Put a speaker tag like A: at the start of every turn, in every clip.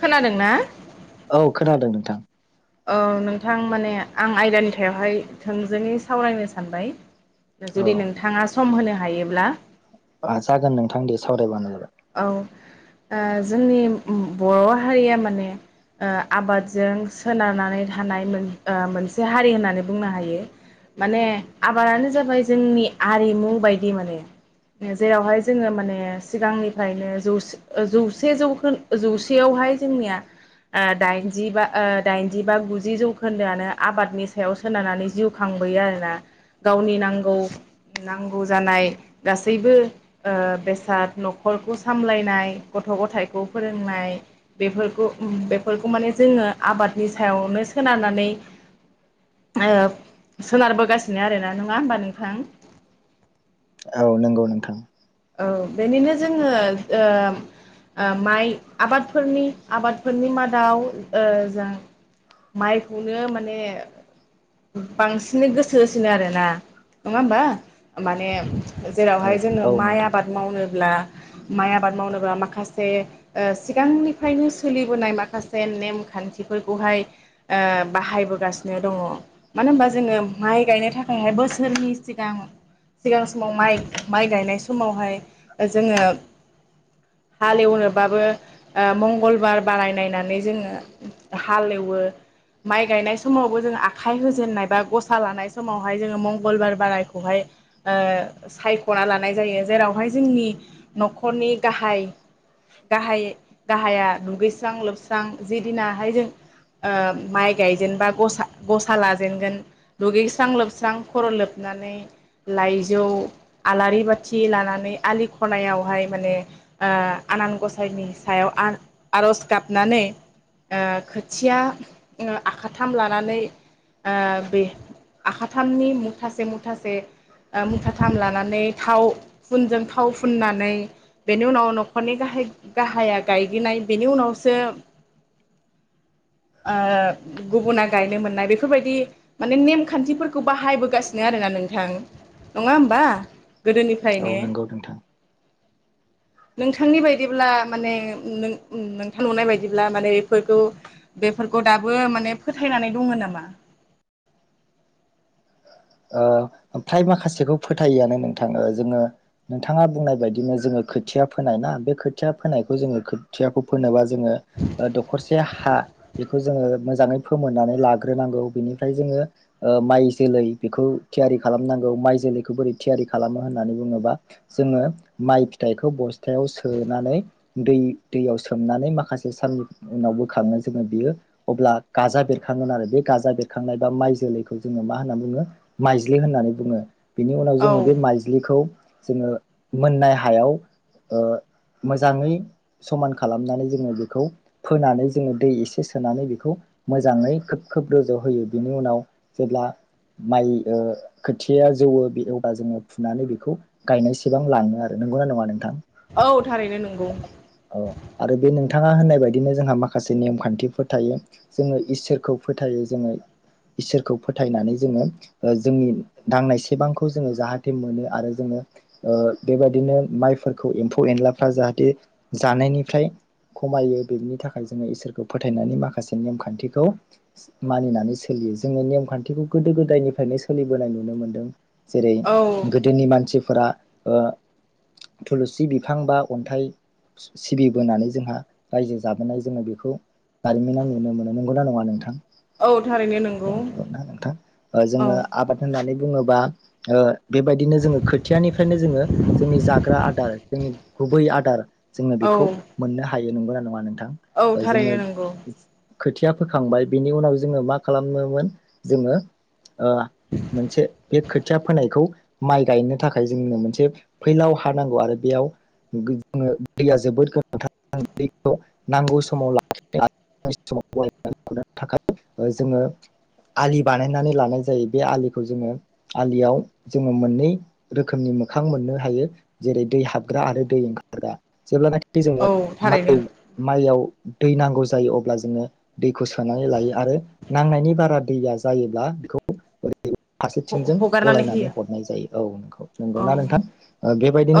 A: खोनादों ना?
B: औ खोनादों नोंथां।
A: औ नोंथां माने आं आयदानि सायावहाय थोंजोङै सावरायनो सानबाय। जुदि
B: औ
A: नोंथाङा सम होनो हायोब्ला
B: जागोन नोंथां दे सावरायबानो जाबाय
A: औ ओ जोंनि बर' हारिया माने ओ आबादजों सोनारनानै थानाय मोन ओ मोनसे हारि होननानै बुंनो हायो। माने आबादानो जाबाय जोंनि आरिमु बायदि माने जेरावहाय जोङो माने सिगांनि फ्रायनो जौसे ओ जौसे जौखोन्दो जौसेयावहाय जोंनिया ओ दाइनजि बा दाइनजि बा गुजि जौखोन्दोआनो आबादनि सायाव सोनारनानै जिउ खांबोयो आरोना गावनि नांगौ-नांगौ जानाय गासैबो ओ बेसाद, न' खरखौ सामलायनाय गथ' गथायाइखौ फोरोंनाय बेफोरखौ बेफोरखौ माने जोङो आबादनि सायावनो सोनारनानै ओ सोनारबोगासिनो आरोना नङा होमबा नोंथां?
B: औ नोंगौ नोंथां।
A: औ बेनिनो जोङो ओ माइ आबादफोरनि आबादफोरनि मादाव ओ जों माइखौनो माने बांसिनै गोसो होसिनो आरोना नङा होमबा माने
B: औ
A: जेरावहाय जोङो
B: औ
A: माइ
B: नोंथां
A: आबाद मावनो ब्ला माइ आबाद मावनोबा माखासे सिगांनिफ्रायनो सोलिबोनाय माखासे नेम खान्थिफोरखौहाय बाहायबोगासिनो दङ मानो होनबा जोङो माइ गायनो थाखायहाय बोसोरनि सिगां सिगां समाव माइ गायनाय स समावहाय जोङो हाल एवनोबाबो ओ मंगलबार बारायनायनानै जोङो हाल एवो माइ गायनाय समावबो जों आखाइ होजेननाय बा गसा लानाय समावहाय जोङो मंगलबार बारायखौहाय ओ सायख'ना लानाय जायो। जेरावहाय जोंनि न'खरनि गाहाय गाहाय गाहाया दुगैस्रां लोबस्रां जिदिनाहाय जों माइ गायजेनबा गसा गसा लाजेनगोन दुगैस्रां लोबस्रां खर' लोबनानै लाइजौ आलारि बा थि लानानै आलि खनायावहाय माने आ आनान गसाइनि सायाव आ आर'ज गाबनानै ओ खोथिया ओ आखाथाम लानानै बे ओ आखाथामनि मुथासे मुथासे ओ मुथाथाम लानानै थाव फुनजों थाव फुननानै बेनि उनाव न'खरनि गाहाय गाहाया गायगोननाय बेनि उनावसो ओ गुबुना गायनो मोननाय बेफोरबायदि माने नेमखान्थिफोरखौ बाहायबोगासिनो आरोना नोंथां नङा होमबा गोदोनि
B: औ नंगौ नोंथां
A: नोंथांनि बायदिब्ला माने नों नोंथां नुनाय बायदिब्ला माने बेफोरखौ बेफोरखौ दाबो माने फोथायनानै दङ नामा
B: ओ फ्राय माखासेखौ फोथायोआनो नोंथां जोङो नोंथाङा बुंनाय बायदिनो जोङो खोथिया फोनाय ना बे खोथिया फोनायखौ जोङो खोथियाखौ फोनोबा जोङो दखरसे हा बेखौ जोङो मोजाङै फोमोननानै लाग्रोनांगौ बेनिफ्राय जोङो ओ माइ जोलै बेखौ थियारि खालामनांगौ माइ जोलैखौ बोरै थियारि खालामो होननानै बुङोबा जोङो माइ फिथाइखौ बस्थायाव सोनानै दै दैयाव सोमनानै माखासे साननि उनाव बोखाङो जोङो बियो अब्ला गाजा बेरखांगोन आरो बे गाजा बेरखांनाय बा माइ जोलैखौ जोङो मा होनना बुङो माइज्लि होननानै बुङो। बिनि उनाव
A: औ
B: जोङो बे माइज्लिखौ जोङो मोननाय हायाव ओ मोजाङै समान खालामनानै जोङो बेखौ फोनानै जोङो दै एसे सोनानै बेखौ मोजाङै खोब खोब रज'होयो बेनि उनाव जेब्ला माइ ओ खोथिया जौवो बे एवदा जोङो फुनानै बेखौ गायनायसेबां लाङो आरो नंगौना नङा नोंथां
A: औ थारैनो नंगौ
B: थाङा होननाय बायदिनो जोंहा माखासे नेमखान्थिफोर थायो जोङो इसोरखौ फोथायो जोङो इसोरखौ फोथायनानै जोङो जोंनि नांनायसेबांखौ जोङो जाहाथे मोनो आरो जोङो ओ बेबायदिनो माइफोरखौ एम्फौ एनलाफ्रा जाहाथे जानायनिफ्राय खमायो बेनि थाखाय जोङो इसोरखौ फोथायनानै माखासे नेमखान्थिखौ मानिनानै सोलियो जोङो नेमखान्थिखौ गोदो गोदायनि निफ्रायनो सोलिबोनाय नुनो मोन्दों। जेरै
A: औ
B: गोदोनि मानसि दा थुलुसि बिफां बा अन्थाइ सिबिबोनानै जोंहा रायजो जाबोनाय जोङो बेखौ जारिमिनाव नुनो मोनो नंगौना नङा नोंथां?
A: औ थारैनो
B: औ
A: नोंगौ
B: नंगौना नोंथां जोङो आबाद होन होननानै बुङोबा ओ बेबायदिनो जोङो खोथियानिफ्रायनो जोङो जोंनि जाग्रा आदार जोंनि गुबै आदार जोङो
A: औ
B: बेखौ मोननो हायो नंगौना नङा नों
A: औ थारैनो नंगौ
B: खोथिया फोखांबाय बिनि उनाव जोङो मा खालामोमोन जोङो ओ मोनसे बे खोथिया फोनायखौ माइ गायनो थाखाय जोंनो मोनसे फैलाव हा नांगौ आरो बेयाव गोगो दैया जोबोद गोनांथारखौ नांगौ समाव [unintelligible] थाखाय जोङो आलि बा बानायनानै लानाय जायो बे आखौ जोङो आलियाव जोङो मोननै रोखोमनि मोखां मोननो हायो जेरै दै हाबग्रा आरो दै ओंखारग्रा। जेब्लानाखि जोङनो
A: औ थारैनो
B: माइ माइयाव दै नांगौ जायो अब्ला जोङो दैखौ सोनानै लायो आरो नांनायनि बारा दैया जायोब्ला बेखौ फारसेथिंजों
A: हगारनानै
B: बलायनानै
A: होयो
B: हरनाय जायो औ नों
A: औ
B: नंगौनाा नोंथां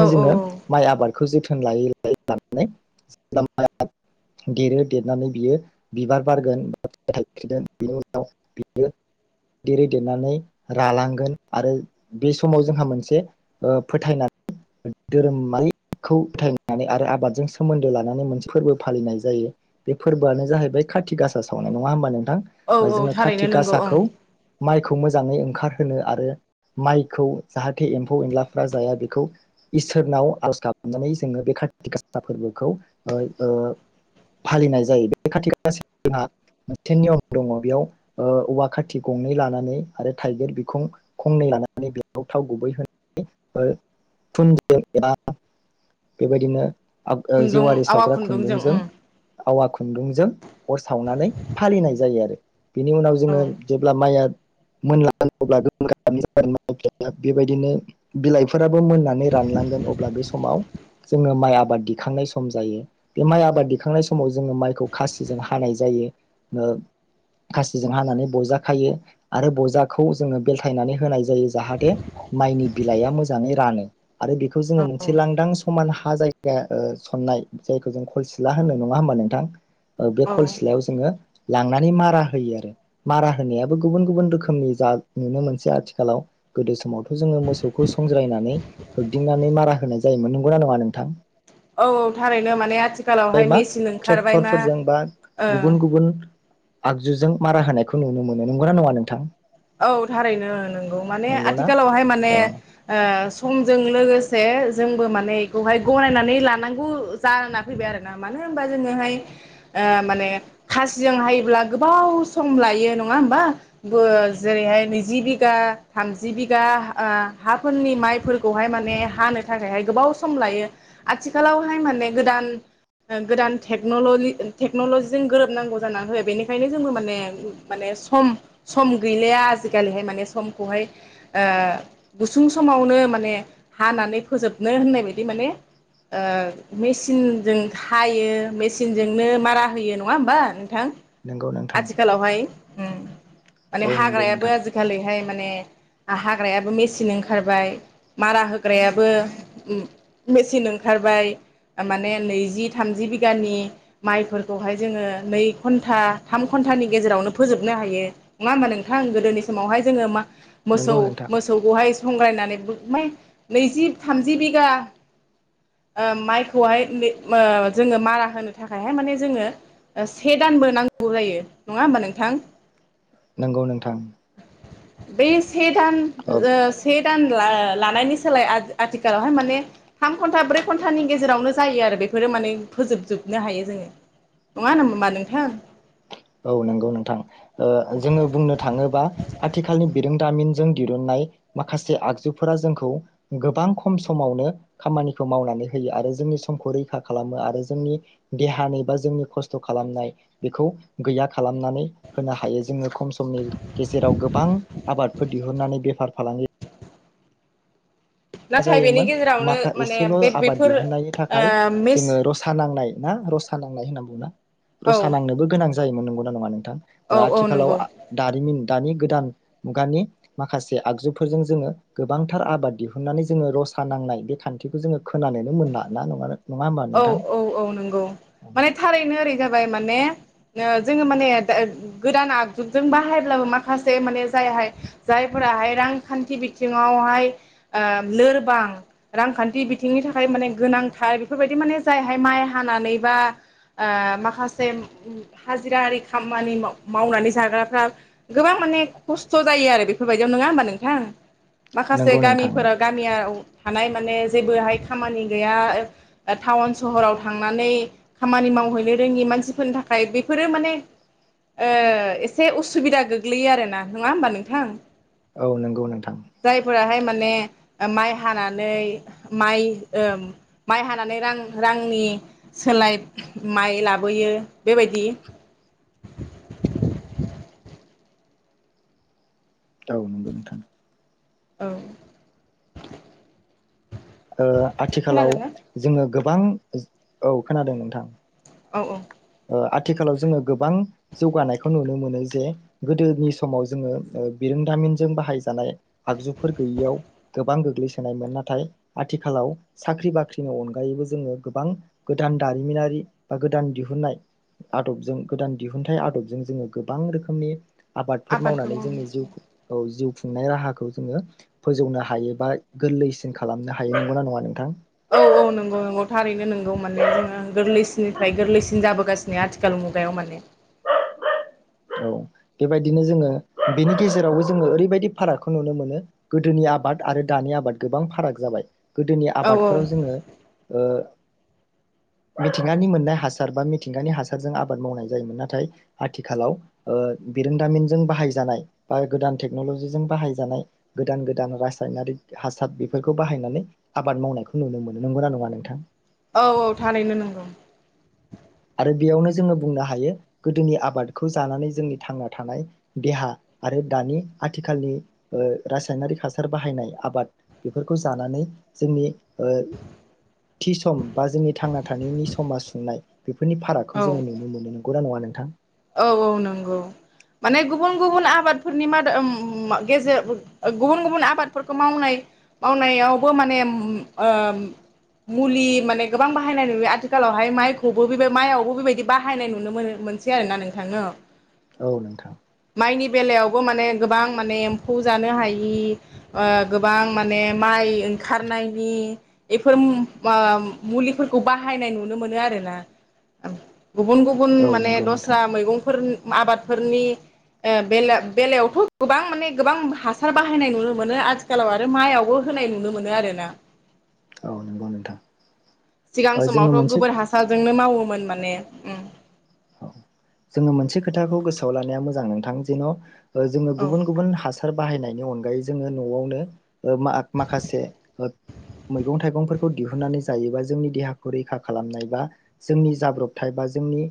A: औ औ
B: जोङो माइ आबादखौ जथ लाय [unintelligible] देरो देरनानै बियो बिबार बारगोन [unintelligible] बिनि उनाव देरै देरनानै रालांगोन आरो बे समाव जोंहा मोनसे फोथायनानै धोरोमारिखौ फोथायनानै आरो आबादजों सोमोन्दो लानानै मोनसे फोरबो फालिनाय जायो बे फोरबोआनो जाहैबाय कार्ति गासा सावनाय नङा होमबानों
A: औ औ
B: जोंना खाथ थि
A: थारैनो नंगौ ओं
B: गासाखौ माइखौ मोजाङै ओंखारहोनो आरो माइखौ जाहाथे एम्फौ एनलाफ्रा जाया बेखौ इसोरनाव आर'ज गाबनानै जोङो बे खाथि गासा फोरबोखौ फालिनाय ओ ओ जायो। बे कथि गासि फोरहा मोनसे नियम दङ बेयाव ओ औवा खाथि गंनै लानानै आरो थाइगिर बिखुं खंनै लानानै बेयाव थाव गुबै होनाय थुनजों एबा बेबायदिनो
A: खुन्दुं
B: जेवारि
A: आवा
B: सावग्रा खुन्दुंजों
A: ओं
B: आवा खुन्दुंजों अर सावनानै फालिनाय जायो आरो बेनि उनाव
A: औ
B: जोङो जेब्ला माइआ मोनलांगोन अब्लाोन बेबायदिनो बिलाइफोराबो मोननानै रानलांगोन अब्ला बे समाव जोङो माइ आबाद दिखांनाय सम जायो। बे माइ आबाद दिखांनाय समाव जोङो माइखौ खासिजों हानाय जायो ओ खासिजों हानानै बजा खायो आरो बजाखौ जोङो बेलथायनानै होनाय जायो जाहाथे माइनि बिलाइआ मोजाङै रानो आरो बेखौ जोङो
A: औ
B: मोनसे
A: औ
B: लांदां समान हा जायगा सननाय जायखौ जों खलसिला होनो नङा होमबा नोंथां? बे कल सिलायाव जोङो लांनानै मारा होयो आरो मारा होनायाबो गुबुन गुबुन रोखोमनि जा नुनो मोनसै आथिखालाव गोदो समावथ' जोङो मोसौखौ संज्रायनानै होदिंनानै मारा होनाय जायोमोन नंगौना नङा नोंथां?
A: औ औ थारैनो माने
B: ओमफ्राय
A: आथिखालावहाय
B: मा
A: मेचिन ओंखारबाय मा
B: ट्रेक्टरफोरजों बा
A: ओ
B: गुबुन गुबुन आगजुजों मारा होनायखौ नुनो मोनो नंगौ नना नङा नोंथां
A: औ थारैनो नोंगौ माने
B: नंगौना
A: आथिखालावहाय माने
B: अ
A: समजों लोगोसे जोंबो माने बेखौहाय गनायनानै लानांगौ जाना फैबाय आरोना मानो होनबा जोङोहाय माने खासिजों हायोब्ला गोबाव सम लायो नङा होमबा? ब जेरैहाय नैजि बिघा थामजि बिघा ओ हाफोरनि माइफोरखौहाय माने हानो थाखायहाय गोबाव सम लायो आथिखालावहाय माने गोदान गोदानेनि टेकनलजिजों गोरोबनांगौ जानानै होयो बेनिखायनो जोङो माने माने सम सम गैलिया आजिखालिहाय माने समखौहाय गुसुं समावनो माने हानानै फोजोबनो होननाय बायदि माने मेसिनजों हायो मेसिनजोंनो मारा होयो नङा होमबा नोंथां?
B: नंगौ नोंथां
A: आथिखालावहाय उम माने
B: औ नंगौ
A: हाग्रायाबो
B: नोंथां
A: आजिखालिहाय माने हाग्रायाबो मेचिन ओंखारबाय मारा होग्रायाबो मेचिन ओंखारबाय माने नैजि थामजि बिगानि माइफोरखौहाय जोङो नै घन्टा थाम घन्टानि गेजेरावनो फोजोबनो हायो। नङा होमा नोंथां गोदोनि समावहाय जोङो मा मोसौ
B: नंगौ नोंथां
A: मोसौखौहाय संग्रायनानै म नैजि थामजि बिघा माइखौहाय ओ जोङो मारा होनो थाखायहाय माने जोङो से दानबो नांगौ जायो नङा होमबा नोंथां।
B: नंगौ नोंथां
A: बे सेदान जो सेदान ला लानायनि सोलाय आज आथिखालावहाय माने थाम घन्टा ब्रै घन्टानि गेजेरावनो जायो आरो बेफोरो माने फोजोबजोबनो हायो जोङो नङा होनोम हबा नोंथां
B: औ नंगौ नोंथां। ओ जोङो बुंनो थाङोबा आथिखालनि बिरोंदामिनजों दिरुनन्नाय माखासे आगजुफोरा जोंखौ गोबां खम समावनो खामानिखौ मावनानै होयो आरो जोंनि समखौ रैखा खालामो आरो जोंनि देहानि बा जोंनि खस्थ' खालामनाय बेखौ गैया खालामनानै होनो हायो जोङो खम समनि गेजेराव गोबां आबादफोर दिहुननानै बेफार फालांगि मा
A: नाथाय बेनि
B: जायोमोन
A: गेजेरावनो
B: माखा
A: माने
B: एसेल'
A: बे
B: आबाद
A: बेफोर
B: दिहुुननायनि थाखाय
A: ओ मिस
B: जोङो रसा नांनाय ना रसा नांनाय होनना बुङो ना?
A: औ
B: रसा नांनोबो गोनां- जायोमोन नंगौना नङा नो- थां‌
A: औ औ
B: आथिखालाव
A: नंगौ
B: दारिमिन दानि गोदान मुगानि माखासे आगजुफोरजों जोङो गोबांथार आबाद दिहुन दिहुननानै जोंङो रसा नांनाय बे खान्थिखौ जोंङो खोनानोनो मोना ना नङानो
A: औ औ औ नंगौ माने थारैनो ओरै जाबाय माने जोंङो माने गोदान आगजुजों बाहायब्लाबो माखासे माने जायाय जायफोराहाय रांखान्थि बिथिङावहाय लोरबां रांखान्थि बिथिंनि थाखाय माने गोनांथार बेफोरबायदि माने जायहाय माइ हानानै बा माखासे हाजिरा आरि खामानि मावनानै जाग्राफ्रा गोबां माने खस्थ जायो आरो बेफोरबायदियाव नंङा होमबा नोंथां माखासे
B: नंगौ नोंथां औ
A: गामिफोराव गामिया थानाय माने जेबोहाय खामानि गैया टाउन सहराव थांनानै खामानि मावहैनो रोङि मानसिफोरनि थाखाय बेफोरो माने एसे उसुबिदा गोग्लैयो आर ना नंङा होमबा नोंथां
B: औ नंगौ नोंथां
A: जायफोराहाय माने माइ हानानै माइ ओ माइ- रां रांनि सोलाय माइ लाबोयो बेबायदि
B: औ नंगौ नोंथां
A: औ
B: ओ आथिखालाव
A: खोनादोंना
B: जोंङो गोब- गोबां औ खोनादों नोंथां
A: औ औ
B: आथिखालाव जोंङो गोबां जौगानायखौ नुनो मोनो जे गोदोनि समाव जोंङो बिरोंदामिनजों बाहायजानाय आगजुफोर गैयियाव गोबां गोग्लैसोनायमोन नाथाय आथिखालाव साख्रि बाख्रिनि अनगायैबो जोंङो गोबां गोदान दारिमिनारि बा गोदान दिहुनन्नाय आदबजों गोदान दिहुनथाइ आदबजों जोंङो गोबां रोखोमनि आबादफोर
A: आबादबो
B: मावनानै
A: मावो
B: जोंनि जिउ औ जिउ खुंनाय राहाखौ जोंङो फोजौनो हायो बा गोरलैसिन खालामनो हायो नंगौना नंङा नोंथां
A: औ औ नंगौ नंगौ थारैनो नंगौ माने जोंङो गोरलैसिननिफ्राय गोरलैसिन जाबोगासिनो नि आथिखाल मुगायाव माने
B: औ बेबायदिनो जोंङो बेनि गेजेरावबो जोंङो ओरैबायदि फारागखौ नुनो मोनो गोदोनि आबाद आरो दानि आबाद गोबां फाराग जाबाय गोदोनि
A: औ औ
B: आबादफोराव जोंङो ओ मिथिंगानि मोननाय हासार बा मिथिंगानि हासारजों आबाद मावनाय जायोमोन नाथाय आथिखालाव बिरोंदामिनजों बाहायजानाय बा गोदान टेक्नलजिजों बाहायजानाय गोदान गोदान रासायनारिक हासार बेफोरखौ बाहायनानै आबाद मावनायखौ नुनो मोनो नंगौ नंङा नोंथां
A: औ औ थारैनो नंगौ
B: आरो बेयावनो जोंङो बुंनो हायो गोदोनि आबादखौ जानानै जोंनि थांना थानाय देहा आरो दानि आथिखालनि रासायनारिक हासार बाहायनाय आबाद बेफोरखौ जानानै जोंनि थि सम बा जोंनि थांना थानायनि समा सुंनाय बेफोरनि
A: औ
B: फारागखौ जोंङो नुनो मोनो नंगैना नंङा नोंथां
A: औ औ नंगौ माने गुबुन गुबुन आबादफोरनि मादा गेजेर गुबुन गुबुन आबादफोरखौ मावनाय मावनायावबो माने मुलि माने गोबां बाहायनाय नुयो आथिखालावहाय माइखौबो बे माइआवबो बेबायदि बाहायनाय नुनो मोनो मोनसे सै आरोना नोंथांनो
B: औ नोंथां
A: बेलायावबो माने गोबां माने एम्फौ जानो हायि गोबां माने माइ ओंखारनायनि बेफोर मुलिफोरखौ बाहायनाय नुनो मोनो आरोना गुबुन गुबुन
B: औ
A: माने
B: नंगौ
A: दस
B: नोंथां
A: मैगंफोर आबादफोरनि बे बेलायावथ गोबां माने गोबां हासार बाहायनाय नुनो मोनो आथिखालाव आरो माइआवबो होनाय नुनो मोनो आरोना
B: औ नंगौ नोंथां
A: सिगां
B: ओ जोङो
A: समावथ'
B: मोनसे
A: गोबोर हासारजोंनो मावोमोन माने उम
B: औ जोङो मोनसे खोथाखौ गोसोआव लानाया मोजां नोंथां जे न' ओ जोङो
A: औ
B: गुबुन गुबुन हासार हासार बाहायनायनि अनगायै जोङो न'आवनो माखासे मैगं थाइगंफोरखौ दिहुननानै जायोबा जोंनि देहाखौ रैखा खालामनाय बा जोंनि जाब्रबथाय बा जोंनि